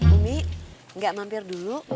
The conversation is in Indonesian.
umi gak mampir dulu